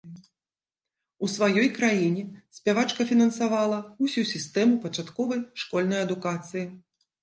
У сваёй краіне спявачка фінансавала ўсю сістэму пачатковай школьнай адукацыі.